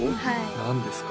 何ですか？